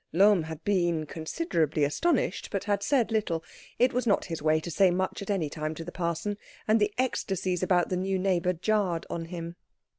Lohm had been considerably astonished, but had said little; it was not his way to say much at any time to the parson, and the ecstasies about the new neighbour jarred on him.